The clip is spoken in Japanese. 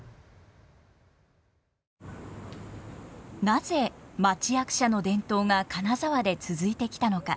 なぜ町役者の伝統が金沢で続いてきたのか。